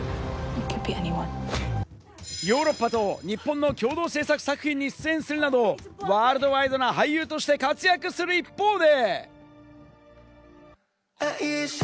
ヨーロッパと日本の共同製作作品に出演するなど、ワールドワイドな俳優として活躍する一方で。